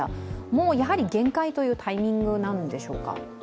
もう、やはり限界というタイミングなんでしょうか？